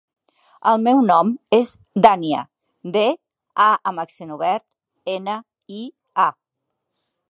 El meu nom és Dània: de, a amb accent obert, ena, i, a.